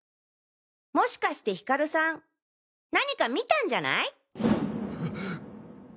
もしかしてヒカルさん何か見たんじゃない？